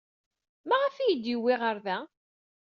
Maɣef ay iyi-d-yewwi ɣer da?